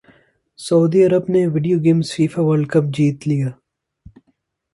سعودی عرب نے video games FIFA World Cup جیت لیا